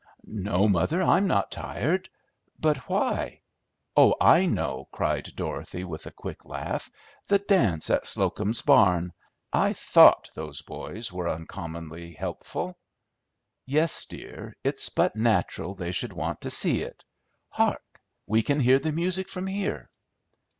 "No, mother, I'm not tired. But why? Oh, I know!" cried Dorothy with a quick laugh. "The dance at Slocum's barn. I thought those boys were uncommonly helpful." "Yes, dear, it's but natural they should want to see it. Hark! we can hear the music from here."